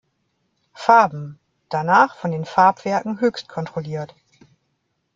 Farben, danach von den Farbwerken Hoechst kontrolliert.